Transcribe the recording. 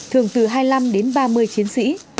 thường từ hai mươi năm đến ba mươi chiến sĩ